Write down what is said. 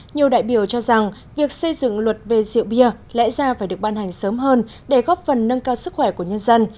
nhiều đại biểu cho rằng việc xây dựng luật về rượu bia lẽ ra phải được ban hành sớm hơn để góp phần nâng cao sức khỏe của nhân dân